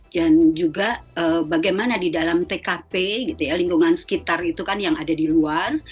dan juga bagaimana di dalam tkp lingkungan sekitar itu kan yang ada di luar